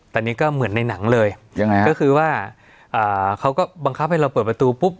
แต่นี่ก็เหมือนในหนังเลยยังไงฮะก็คือว่าอ่าเขาก็บังคับให้เราเปิดประตูปุ๊บ